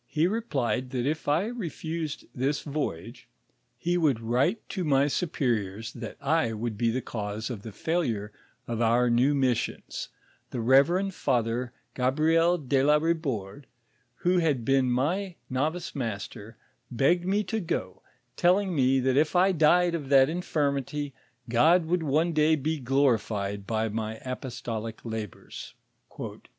He "^epijod, that if I refused this voyage, '% amm& 'M' !|l ; 1' 103 BIBLIOORAPBIOAL NOTIOB. he would write to my superiors that I would be the cause of the failure of onr new missions ; the reverend father Gabriel de la Ribourde, who had been my novice master, begged me to go, telling me, that if I died of that infirmity, God would one day be glorified by my apostolic labors.